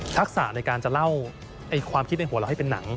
ะในการจะเล่าความคิดในหัวเราให้เป็นหนัง